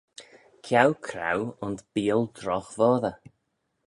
Ceau craue ayns beeal drogh voddey